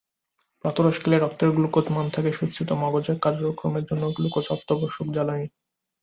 প্রাতরাশ খেলে রক্তের গ্লুকোজ মান থাকে সুস্থিত, মগজের কাজকর্মের জন্য গ্লুকোজ অত্যাবশ্যক জ্বালানি।